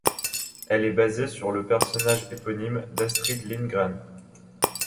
Elle est basée sur le personnage éponyme d'Astrid Lindgren.